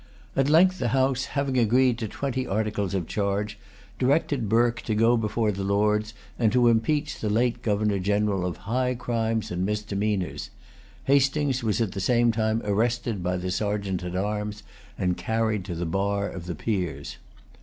At length the House, having agreed to twenty articles of charge, directed Burke to go before the Lords, and to impeach the late Governor General of High Crimes and Misdemeanors. Hastings was at the same time arrested by the Sergeant at arms, and carried to the bar of the Peers.